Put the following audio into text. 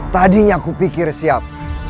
tadinya aku pikir siap